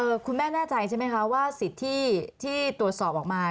คุณแม่แน่ใจใช่ไหมคะว่าสิทธิ์ที่ที่ตรวจสอบออกมา